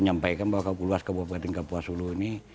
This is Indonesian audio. menyampaikan bahwa kabupaten kapuasulu ini